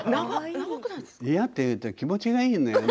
いやと言うと気持ちがいいのよね。